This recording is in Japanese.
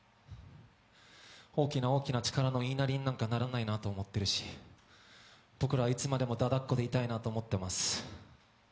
大きな大きな力の言いなりになんかならないと思ってるし、僕らはいつまでもだだっ子でいたいなと思ってます。